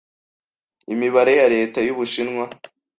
Imibare ya leta y’Ubushinwa